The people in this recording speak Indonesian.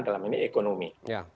dalam ini ekonomi